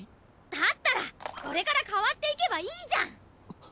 だったらこれから変わっていけばいいじゃん！